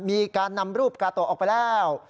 มีการนำรูปกาโตะออกไปแล้ว